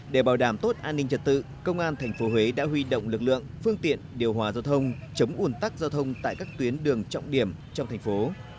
để bảo đảm tốt an ninh trật tự công an tp huế đã huy động lực lượng phương tiện điều hòa giao thông chống ủn tắc giao thông tại các tuyến đường trọng điểm trong thành phố